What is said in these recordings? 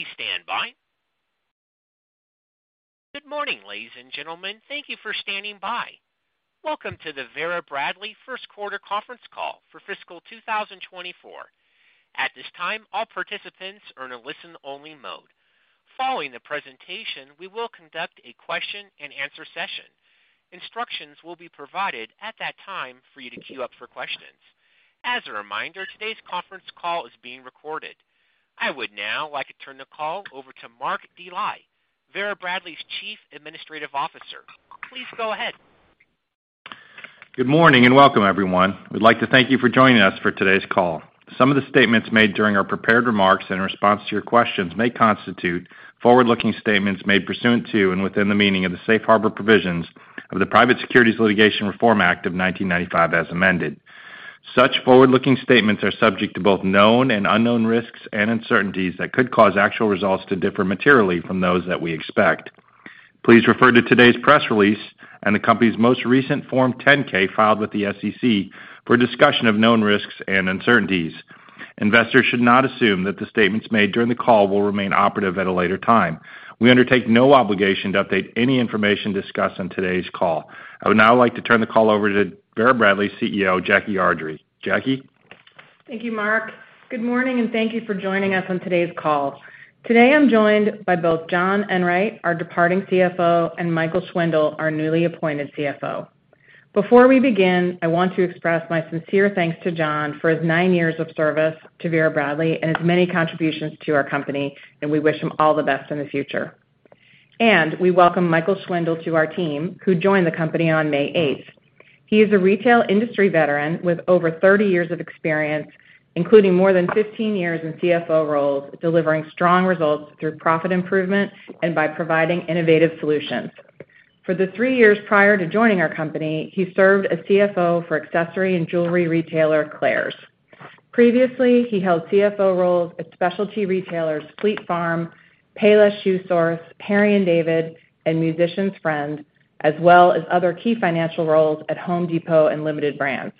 Please stand by. Good morning, ladies and gentlemen. Thank you for standing by. Welcome to the Vera Bradley first quarter conference call for fiscal 2024. At this time, all participants are in a listen-only mode. Following the presentation, we will conduct a question-and-answer session. Instructions will be provided at that time for you to queue up for questions. As a reminder, today's conference call is being recorded. I would now like to turn the call over to Mark Dely, Vera Bradley's Chief Administrative Officer. Please go ahead. Good morning, welcome, everyone. We'd like to thank you for joining us for today's call. Some of the statements made during our prepared remarks in response to your questions may constitute forward-looking statements made pursuant to and within the meaning of the Safe Harbor Provisions of the Private Securities Litigation Reform Act of 1995, as amended. Such forward-looking statements are subject to both known and unknown risks and uncertainties that could cause actual results to differ materially from those that we expect. Please refer to today's press release and the company's most recent Form 10-K filed with the SEC for a discussion of known risks and uncertainties. Investors should not assume that the statements made during the call will remain operative at a later time. We undertake no obligation to update any information discussed on today's call. I would now like to turn the call over to Vera Bradley's CEO, Jackie Ardrey. Jackie? Thank you, Mark. Good morning, and thank you for joining us on today's call. Today, I'm joined by both John Enwright, our departing CFO, and Michael Schwindle, our newly appointed CFO. Before we begin, I want to express my sincere thanks to John for his nine years of service to Vera Bradley and his many contributions to our company, and we wish him all the best in the future. We welcome Michael Schwindle to our team, who joined the company on May eighth. He is a retail industry veteran with over 30 years of experience, including more than 15 years in CFO roles, delivering strong results through profit improvement and by providing innovative solutions. For the three years prior to joining our company, he served as CFO for accessory and jewelry retailer, Claire's. Previously, he held CFO roles at specialty retailers Fleet Farm, Payless ShoeSource, Harry & David, and Musician's Friend, as well as other key financial roles at Home Depot and Limited Brands.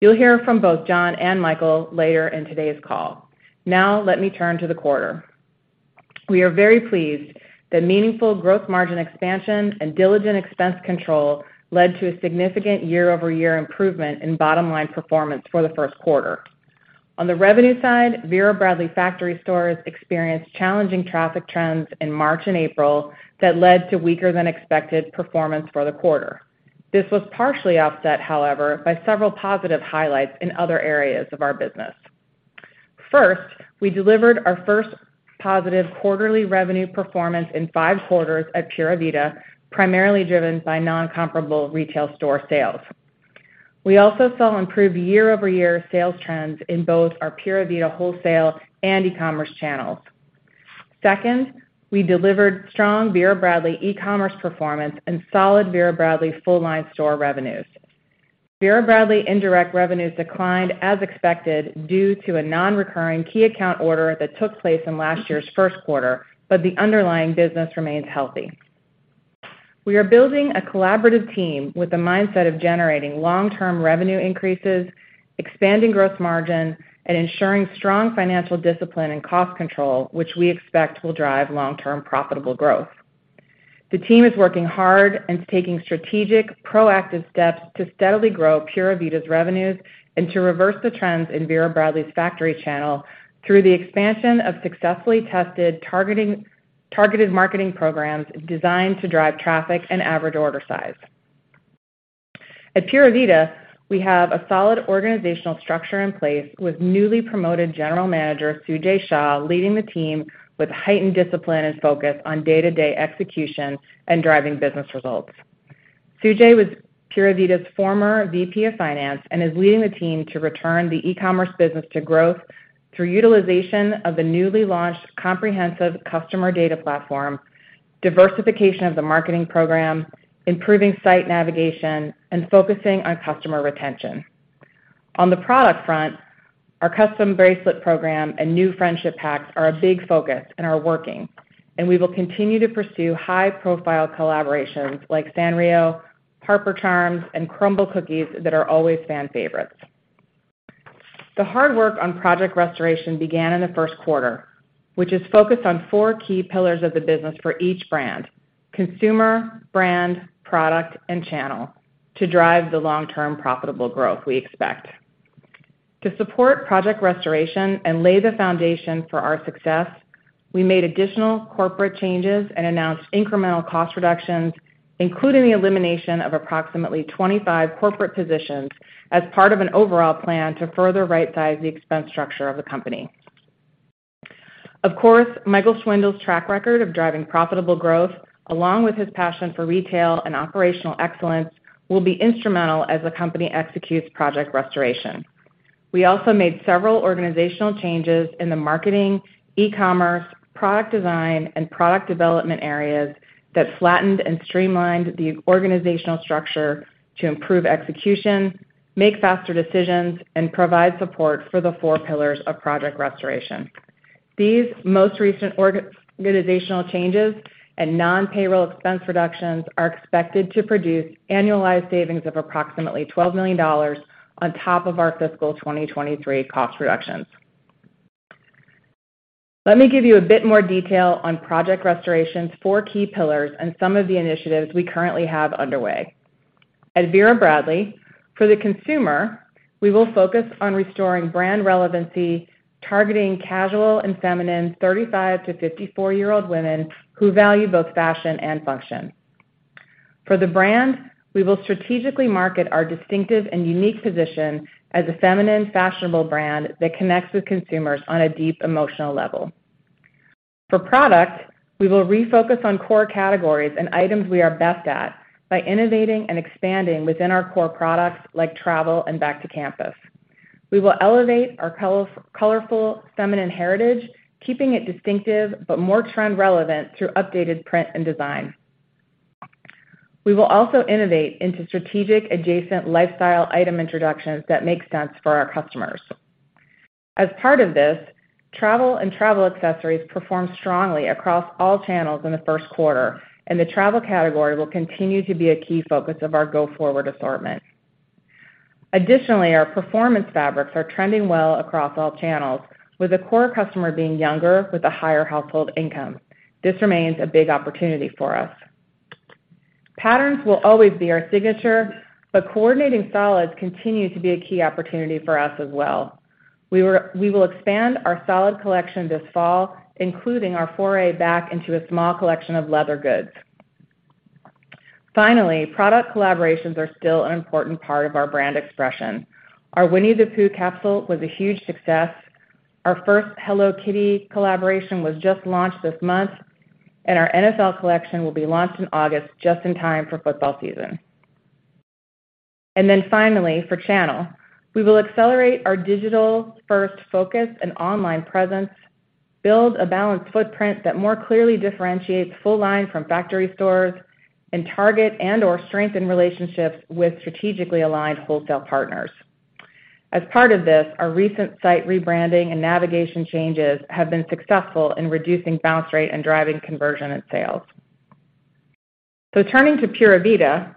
You'll hear from both John and Michael later in today's call. Now, let me turn to the quarter. We are very pleased that meaningful growth margin expansion and diligent expense control led to a significant year-over-year improvement in bottom-line performance for the first quarter. On the revenue side, Vera Bradley factory stores experienced challenging traffic trends in March and April that led to weaker than expected performance for the quarter. This was partially offset, however, by several positive highlights in other areas of our business. First, we delivered our first positive quarterly revenue performance in five quarters at Pura Vida, primarily driven by non-comparable retail store sales. We also saw improved year-over-year sales trends in both our Pura Vida wholesale and e-commerce channels. Second, we delivered strong Vera Bradley e-commerce performance and solid Vera Bradley full-line store revenues. Vera Bradley indirect revenues declined as expected, due to a non-recurring key account order that took place in last year's first quarter, but the underlying business remains healthy. We are building a collaborative team with the mindset of generating long-term revenue increases, expanding growth margin, and ensuring strong financial discipline and cost control, which we expect will drive long-term profitable growth. The team is working hard and taking strategic, proactive steps to steadily grow Pura Vida's revenues and to reverse the trends in Vera Bradley's factory channel through the expansion of successfully tested targeted marketing programs designed to drive traffic and average order size. At Pura Vida, we have a solid organizational structure in place, with newly promoted General Manager, Sujay Shah, leading the team with heightened discipline and focus on day-to-day execution and driving business results. Sujay was Pura Vida's former VP of Finance and is leading the team to return the e-commerce business to growth through utilization of the newly launched comprehensive customer data platform, diversification of the marketing program, improving site navigation, and focusing on customer retention. On the product front, our custom bracelet program and new friendship packs are a big focus and are working, and we will continue to pursue high-profile collaborations like Sanrio, Harper Charms, and Crumbl Cookies that are always fan favorites. The hard work on Project Restoration began in the first quarter, which is focused on four key pillars of the business for each brand: consumer, brand, product, and channel, to drive the long-term profitable growth we expect. To support Project Restoration and lay the foundation for our success, we made additional corporate changes and announced incremental cost reductions, including the elimination of approximately 25 corporate positions, as part of an overall plan to further rightsize the expense structure of the company. Of course, Michael Schwindle's track record of driving profitable growth, along with his passion for retail and operational excellence, will be instrumental as the company executes Project Restoration. We also made several organizational changes in the marketing, e-commerce, product design, and product development areas that flattened and streamlined the organizational structure to improve execution, make faster decisions, and provide support for the four pillars of Project Restoration. These most recent organizational changes and non-payroll expense reductions are expected to produce annualized savings of approximately $12 million on top of our fiscal 2023 cost reductions. Let me give you a bit more detail on Project Restoration's four key pillars and some of the initiatives we currently have underway. At Vera Bradley, for the consumer, we will focus on restoring brand relevancy, targeting casual and feminine 35- to 54-year-old women who value both fashion and function. For the brand, we will strategically market our distinctive and unique position as a feminine, fashionable brand that connects with consumers on a deep emotional level. For product, we will refocus on core categories and items we are best at by innovating and expanding within our core products, like travel and back to campus. We will elevate our colorful, feminine heritage, keeping it distinctive but more trend relevant through updated print and design. We will also innovate into strategic, adjacent lifestyle item introductions that make sense for our customers. As part of this, travel and travel accessories performed strongly across all channels in the first quarter, and the travel category will continue to be a key focus of our go-forward assortment. Additionally, our performance fabrics are trending well across all channels, with the core customer being younger with a higher household income. This remains a big opportunity for us. Patterns will always be our signature, but coordinating solids continue to be a key opportunity for us as well. We will expand our solid collection this fall, including our foray back into a small collection of leather goods. Finally, product collaborations are still an important part of our brand expression. Our Winnie-the-Pooh capsule was a huge success. Our first Hello Kitty collaboration was just launched this month. Our NFL collection will be launched in August, just in time for football season. Finally, for channel, we will accelerate our digital-first focus and online presence, build a balanced footprint that more clearly differentiates full line from factory stores, and target and/or strengthen relationships with strategically aligned wholesale partners. As part of this, our recent site rebranding and navigation changes have been successful in reducing bounce rate and driving conversion and sales. Turning to Pura Vida,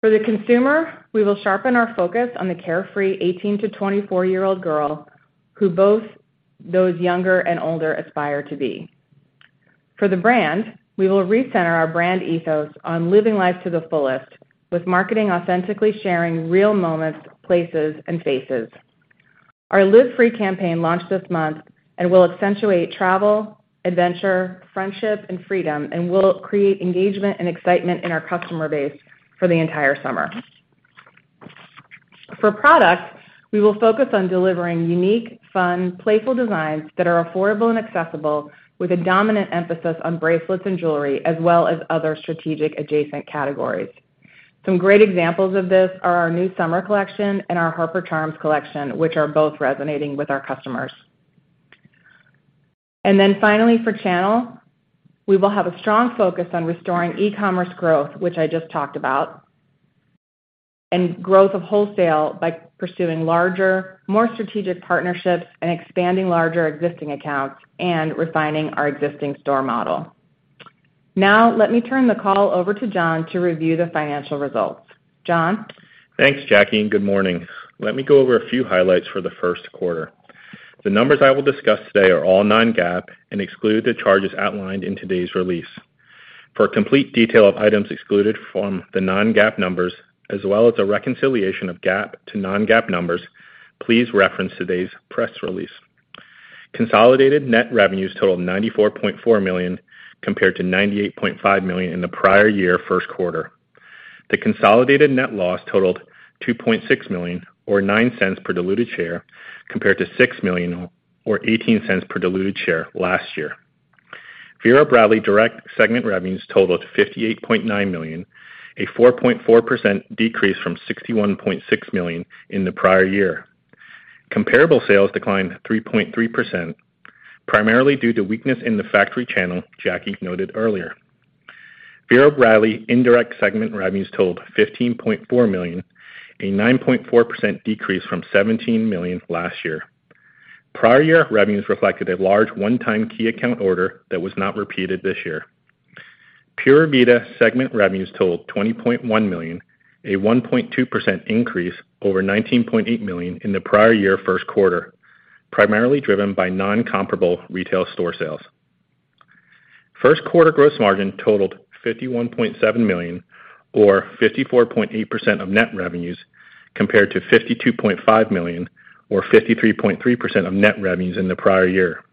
for the consumer, we will sharpen our focus on the carefree 18-24-year-old girl, who both those younger and older aspire to be. For the brand, we will recenter our brand ethos on living life to the fullest, with marketing authentically sharing real moments, places, and faces. Our Live Free campaign launched this month and will accentuate travel, adventure, friendship, and freedom, and will create engagement and excitement in our customer base for the entire summer. For product, we will focus on delivering unique, fun, playful designs that are affordable and accessible, with a dominant emphasis on bracelets and jewelry, as well as other strategic adjacent categories. Some great examples of this are our new summer collection and our Harper Charms collection, which are both resonating with our customers. Finally, for channel, we will have a strong focus on restoring e-commerce growth, which I just talked about, and growth of wholesale by pursuing larger, more strategic partnerships and expanding larger existing accounts and refining our existing store model. Now, let me turn the call over to John to review the financial results. John? Thanks, Jackie, and good morning. Let me go over a few highlights for the first quarter. The numbers I will discuss today are all non-GAAP and exclude the charges outlined in today's release. For a complete detail of items excluded from the non-GAAP numbers, as well as a reconciliation of GAAP to non-GAAP numbers, please reference today's press release. Consolidated net revenues totaled $94.4 million, compared to $98.5 million in the prior year first quarter. The consolidated net loss totaled $2.6 million, or $0.09 per diluted share, compared to $6 million, or $0.18 per diluted share last year. Vera Bradley direct segment revenues totaled $58.9 million, a 4.4% decrease from $61.6 million in the prior year. Comparable sales declined 3.3%, primarily due to weakness in the factory channel Jackie noted earlier. Vera Bradley indirect segment revenues totaled $15.4 million, a 9.4% decrease from $17 million last year. Prior year revenues reflected a large one-time key account order that was not repeated this year. Pura Vida segment revenues totaled $20.1 million, a 1.2% increase over $19.8 million in the prior year first quarter, primarily driven by non-comparable retail store sales. First quarter gross margin totaled $51.7 million, or 54.8% of net revenues, compared to $52.5 million, or 53.3% of net revenues in the prior year.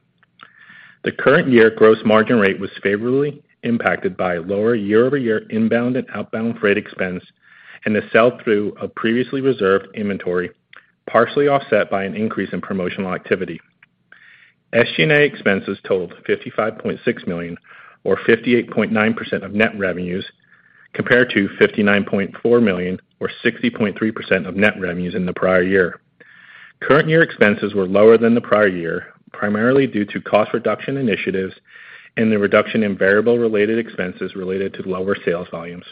The current year gross margin rate was favorably impacted by lower year-over-year inbound and outbound freight expense and the sell-through of previously reserved inventory, partially offset by an increase in promotional activity. SG&A expenses totaled $55.6 million, or 58.9% of net revenues, compared to $59.4 million, or 60.3% of net revenues in the prior year. Current year expenses were lower than the prior year, primarily due to cost reduction initiatives and the reduction in variable related expenses related to lower sales volumes.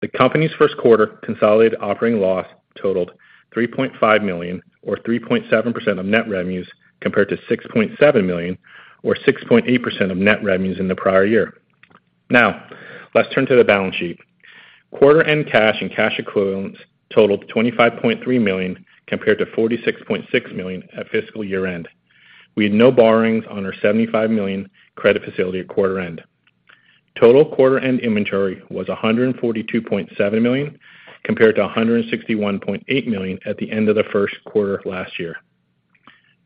The company's first quarter consolidated operating loss totaled $3.5 million, or 3.7% of net revenues, compared to $6.7 million, or 6.8% of net revenues in the prior year. Let's turn to the balance sheet. Quarter-end cash and cash equivalents totaled $25.3 million, compared to $46.6 million at fiscal year-end. We had no borrowings on our $75 million credit facility at quarter-end. Total quarter-end inventory was $142.7 million, compared to $161.8 million at the end of the first quarter of last year.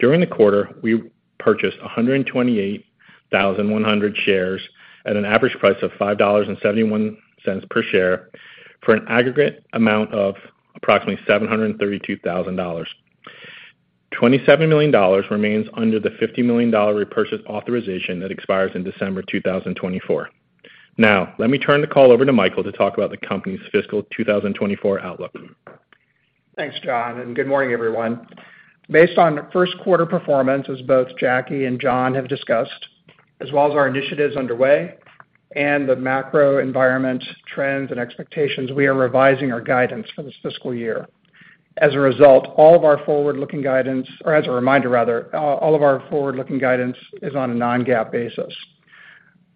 During the quarter, we purchased 128,100 shares at an average price of $5.71 per share, for an aggregate amount of approximately $732,000. $27 million remains under the $50 million repurchase authorization that expires in December 2024. Now, let me turn the call over to Michael to talk about the company's fiscal 2024 outlook. Thanks, John. Good morning, everyone. Based on first quarter performance, as both Jackie and John have discussed, as well as our initiatives underway and the macro environment trends and expectations, we are revising our guidance for this fiscal year. As a result, all of our forward-looking guidance is on a non-GAAP basis.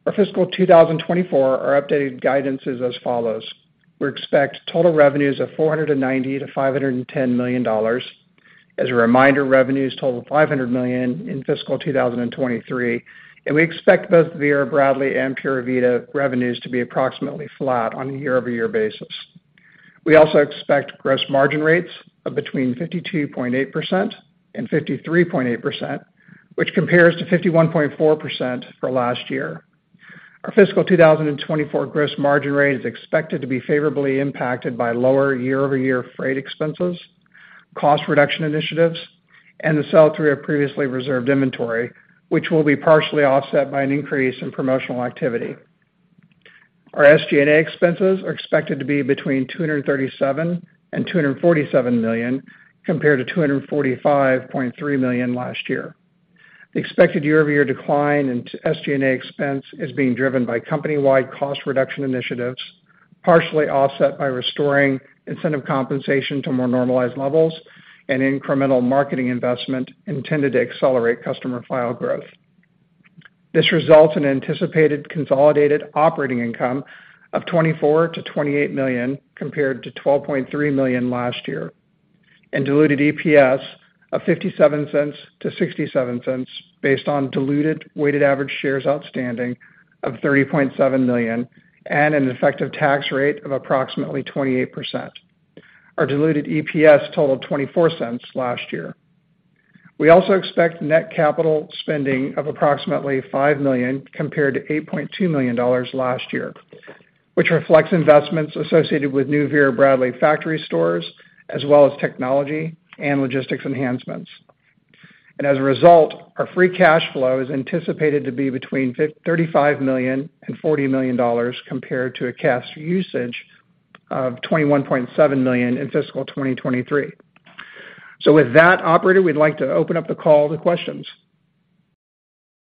For fiscal 2024, our updated guidance is as follows: We expect total revenues of $490 million-$510 million. As a reminder, revenues totaled $500 million in fiscal 2023. We expect both Vera Bradley and Pura Vida revenues to be approximately flat on a year-over-year basis. We also expect gross margin rates of between 52.8% and 53.8%, which compares to 51.4% for last year. Our fiscal 2024 gross margin rate is expected to be favorably impacted by lower year-over-year freight expenses, cost reduction initiatives, and the sell-through of previously reserved inventory, which will be partially offset by an increase in promotional activity. Our SG&A expenses are expected to be between $237 million and $247 million, compared to $245.3 million last year. The expected year-over-year decline into SG&A expense is being driven by company-wide cost reduction initiatives, partially offset by restoring incentive compensation to more normalized levels and incremental marketing investment intended to accelerate customer file growth. This results in anticipated consolidated operating income of $24 million-$28 million, compared to $12.3 million last year, diluted EPS of $0.57-$0.67, based on diluted weighted average shares outstanding of 30.7 million and an effective tax rate of approximately 28%. Our diluted EPS totaled $0.24 last year. We also expect net capital spending of approximately $5 million, compared to $8.2 million last year, which reflects investments associated with new Vera Bradley factory stores, as well as technology and logistics enhancements. As a result, our free cash flow is anticipated to be between $35 million and $40 million, compared to a cash usage of $21.7 million in fiscal 2023. With that, operator, we'd like to open up the call to questions.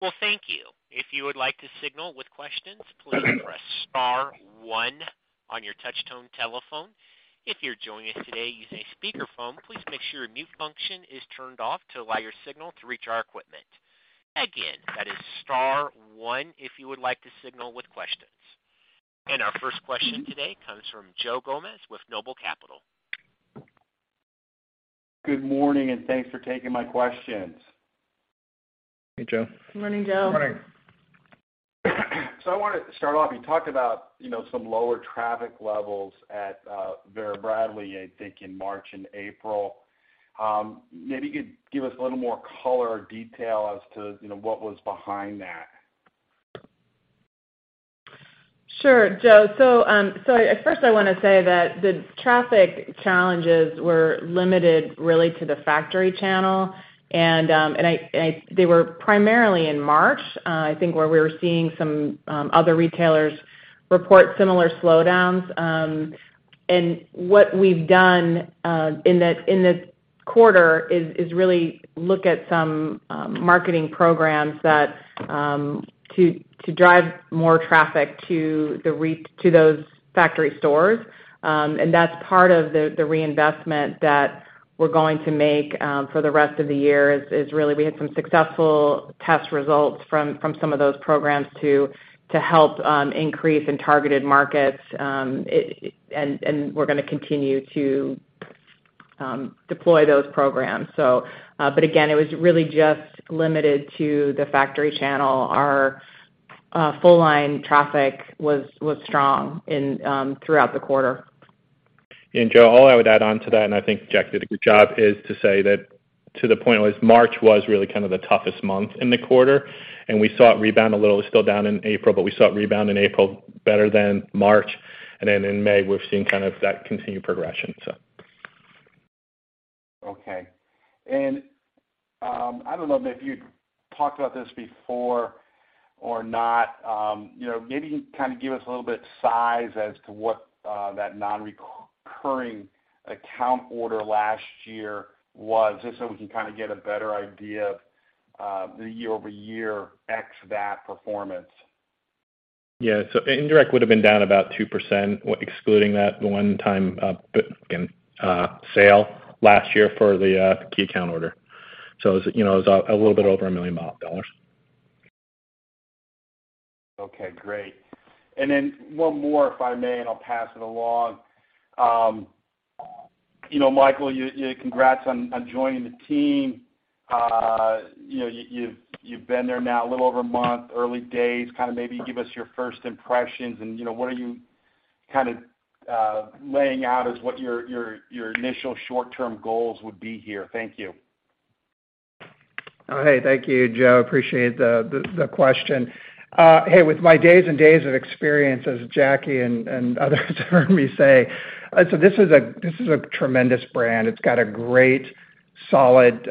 Well, thank you. If you would like to signal with questions, please press star one on your touchtone telephone. If you're joining us today using a speakerphone, please make sure your mute function is turned off to allow your signal to reach our equipment. Again, that is star one if you would like to signal with questions. Our first question today comes from Joe Gomes with Noble Capital. Good morning, and thanks for taking my questions. Hey, Joe. Good morning, Joe. Good morning. I wanted to start off, you talked about, you know, some lower traffic levels at Vera Bradley, I think, in March and April. Maybe you could give us a little more color or detail as to, you know, what was behind that? Sure, Joe. At first, I wanna say that the traffic challenges were limited, really, to the factory channel, and they were primarily in March, I think, where we were seeing some other retailers report similar slowdowns. What we've done in this quarter is really look at some marketing programs that to drive more traffic to those factory stores. That's part of the reinvestment that we're going to make for the rest of the year, is really we had some successful test results from some of those programs to help increase in targeted markets. We're gonna continue to deploy those programs. Again, it was really just limited to the factory channel. Our full line traffic was strong in, throughout the quarter. Joe, all I would add on to that, and I think Jackie did a good job, is to say that, to the point was March was really kind of the toughest month in the quarter, and we saw it rebound a little. It was still down in April, but we saw it rebound in April, better than March, and then in May, we've seen kind of that continued progression, so. Okay. I don't know if you'd talked about this before or not, you know, maybe kind of give us a little bit size as to what that nonrecurring account order last year was, just so we can kind of get a better idea of the year-over-year X that performance. Yeah. indirect would've been down about 2%, excluding that one-time sale last year for the key account order. It's, you know, a little bit over $1 million. Okay, great. One more, if I may, and I'll pass it along. You know, Michael, congrats on joining the team. You know, you've been there now a little over a month, early days. Kind of maybe give us your first impressions and, you know, what are you kind of laying out as what your initial short-term goals would be here? Thank you. Hey. Thank you, Joe. Appreciate the question. Hey, with my days and days of experience, as Jackie and others heard me say, this is a tremendous brand. It's got a great solid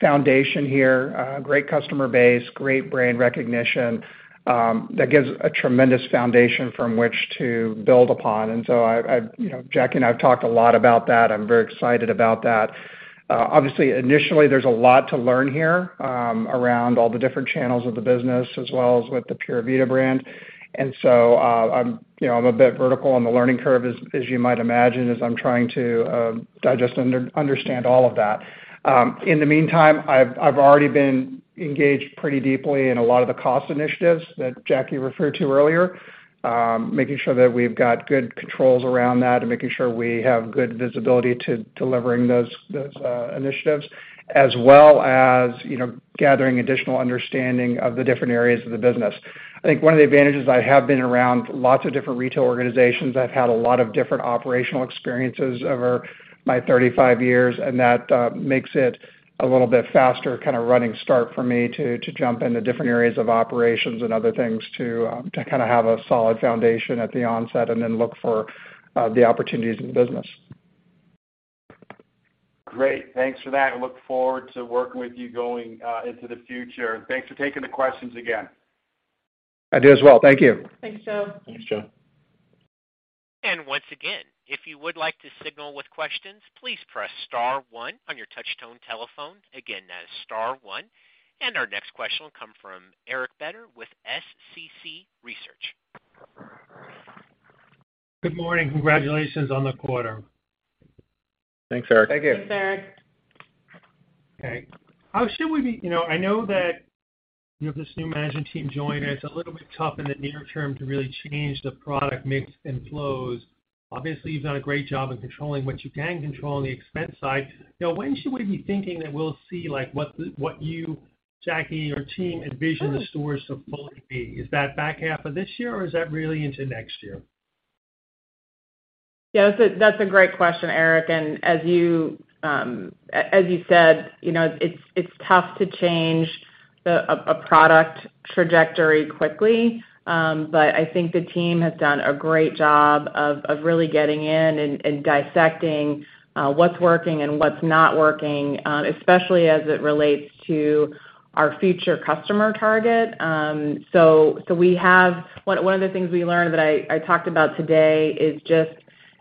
foundation here, great customer base, great brand recognition, that gives a tremendous foundation from which to build upon. I, you know, Jackie and I have talked a lot about that. I'm very excited about that. Obviously, initially, there's a lot to learn here, around all the different channels of the business, as well as with the Pura Vida brand. I'm, you know, I'm a bit vertical on the learning curve as you might imagine, as I'm trying to digest and understand all of that. In the meantime, I've already been engaged pretty deeply in a lot of the cost initiatives that Jackie referred to earlier. Making sure that we've got good controls around that and making sure we have good visibility to delivering those initiatives, as well as, you know, gathering additional understanding of the different areas of the business. I think one of the advantages, I have been around lots of different retail organizations. I've had a lot of different operational experiences over my 35 years, and that makes it a little bit faster, kind of running start for me to jump into different areas of operations and other things to kind of have a solid foundation at the onset and then look for the opportunities in the business. Great. Thanks for that, look forward to working with you going into the future. Thanks for taking the questions again. I do as well. Thank you. Thanks, Joe. Thanks, Joe. Once again, if you would like to signal with questions, please press star one on your touchtone telephone. Again, that is star one. Our next question will come from Eric Beder with SCC Research. Good morning. Congratulations on the quarter. Thanks, Eric. Thank you. Thanks, Eric. Okay. How should we. You know, I know that you have this new management team joining. It's a little bit tough in the near term to really change the product mix and flows. Obviously, you've done a great job of controlling what you can control on the expense side. You know, when should we be thinking that we'll see, like, what you, Jackie, your team, envision the stores to fully be? Is that back half of this year, or is that really into next year? Yeah, that's a great question, Eric. As you said, you know, it's tough to change the product trajectory quickly. I think the team has done a great job of really getting in and dissecting what's working and what's not working, especially as it relates to our future customer target. One of the things we learned that I talked about today is just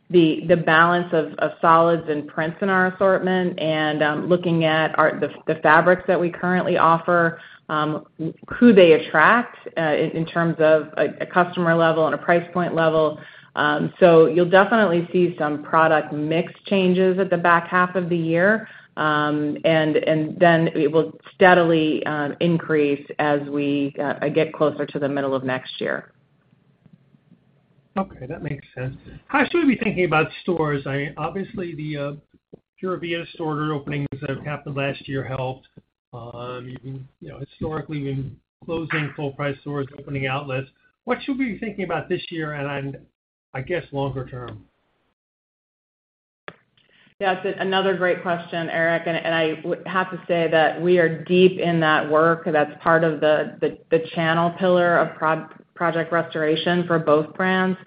the balance of solids and prints in our assortment, and looking at our the fabrics that we currently offer, who they attract, in terms of a customer level and a price point level. You'll definitely see some product mix changes at the back half of the year. It will steadily increase as we get closer to the middle of next year. Okay, that makes sense. How should we be thinking about stores? I mean, obviously, the Pura Vida store openings that have happened last year helped. you know, historically, we've been closing full price stores, opening outlets. What should we be thinking about this year and, I guess, longer term? It's another great question, Eric, and I have to say that we are deep in that work. That's part of the channel pillar of Project Restoration for both brands.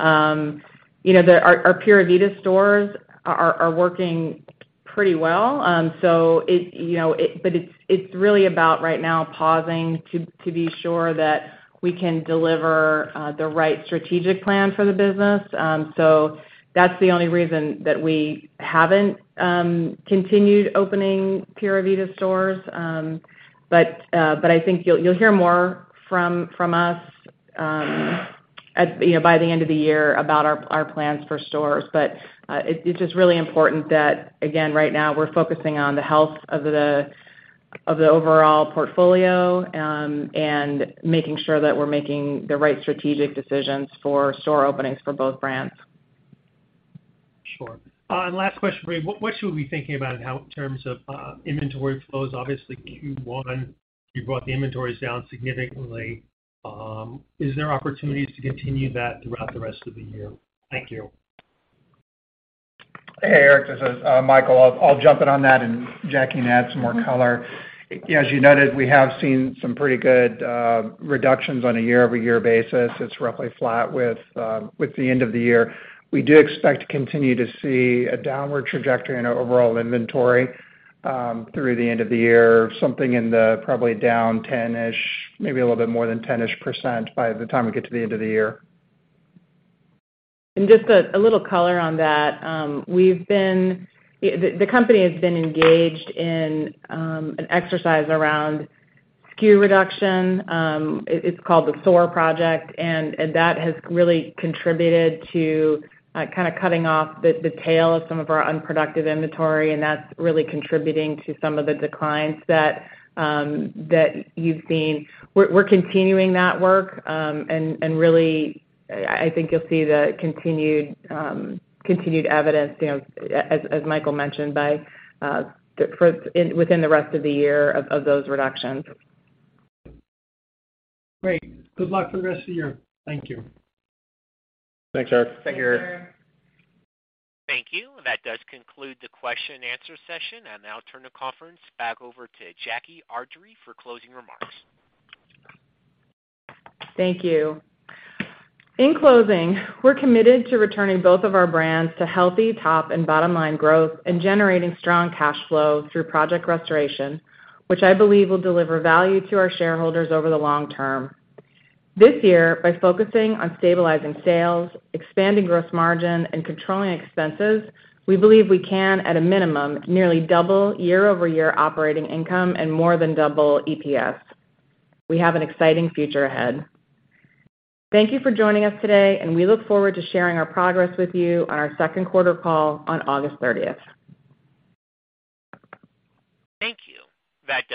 You know, our Pura Vida stores are working pretty well. It's really about right now pausing to be sure that we can deliver the right strategic plan for the business. That's the only reason that we haven't continued opening Pura Vida stores. I think you'll hear more from us at, you know, by the end of the year about our plans for stores. It's just really important that, again, right now we're focusing on the health of the overall portfolio, and making sure that we're making the right strategic decisions for store openings for both brands. Sure. Last question for you. What should we be thinking about in terms of inventory flows? Obviously, Q1, you brought the inventories down significantly. Is there opportunities to continue that throughout the rest of the year? Thank you. Hey, Eric, this is Michael. I'll jump in on that. Jackie can add some more color. As you noted, we have seen some pretty good reductions on a year-over-year basis. It's roughly flat with the end of the year. We do expect to continue to see a downward trajectory in our overall inventory through the end of the year, something in the probably down 10-ish, maybe a little bit more than 10-ish% by the time we get to the end of the year. Just a little color on that. The company has been engaged in an exercise around SKU reduction. It's called the SOAR project, and that has really contributed to kind of cutting off the tail of some of our unproductive inventory, and that's really contributing to some of the declines that you've seen. We're continuing that work, and really, I think you'll see the continued evidence, you know, as Michael mentioned, by the first. Within the rest of the year of those reductions. Great. Good luck for the rest of the year. Thank you. Thanks, Eric. Thank you, Eric. Thanks, Eric. Thank you. That does conclude the question-and-answer session. I'll now turn the conference back over to Jackie Ardrey for closing remarks. Thank you. In closing, we're committed to returning both of our brands to healthy top and bottom-line growth and generating strong cash flow through Project Restoration, which I believe will deliver value to our shareholders over the long term. This year, by focusing on stabilizing sales, expanding gross margin, and controlling expenses, we believe we can, at a minimum, nearly double year-over-year operating income and more than double EPS. We have an exciting future ahead. Thank you for joining us today, and we look forward to sharing our progress with you on our second quarter call on August thirtieth. Thank you. That concludes.